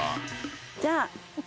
じゃあ。